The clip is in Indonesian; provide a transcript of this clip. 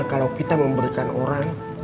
kalo kita memberikan orang